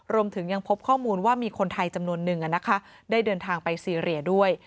รวมถึงยังพบข้อมูลว่ามีคนไทยจำนวนนึงได้เดินทางไปซีเรียด้วย